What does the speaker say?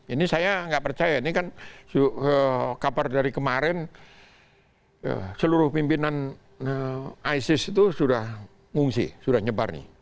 ini saya nggak percaya ini kan kabar dari kemarin seluruh pimpinan isis itu sudah mengungsi sudah nyebar nih